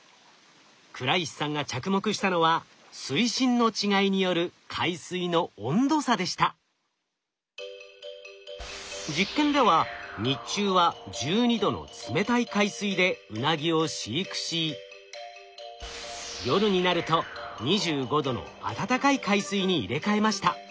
倉石さんが着目したのは水深の違いによる実験では日中は１２℃の冷たい海水でウナギを飼育し夜になると２５℃の温かい海水に入れ替えました。